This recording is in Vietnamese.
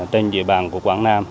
trên dịp bàn của quảng nam